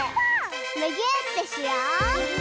むぎゅーってしよう！